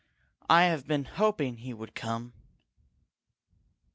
"I have been hoping he would come."